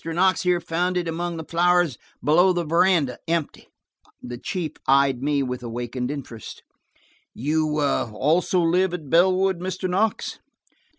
Knox here found it among the flowers below the veranda, empty." The chief eyed me with awakened interest. "You also live at Bellwood, Mr. Knox?"